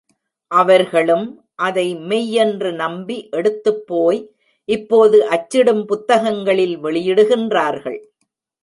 அவர்களும் அதை மெய்யென்று நம்பி எடுத்துப்போய் இப்போது அச்சிடும் புத்தகங்களில் வெளியிடுகின்றார்கள்.